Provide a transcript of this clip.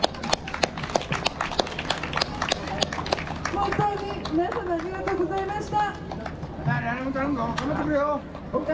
本当に、皆様ありがとうございました。